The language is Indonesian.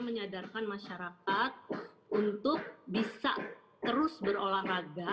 menyadarkan masyarakat untuk bisa terus berolahraga